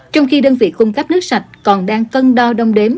trong khi đơn vị cung cấp nước sạch còn đang cân đo đông đếm